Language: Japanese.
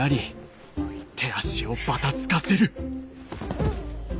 うん！